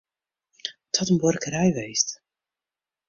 It hat in buorkerij west.